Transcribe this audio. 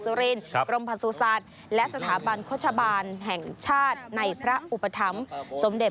คือภาพรวงของโครงการปีนี้ตรวจสุขภาพช้างไปแล้ว๕๓เชือก